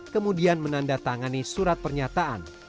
kemudian menandatangani surat pernyataan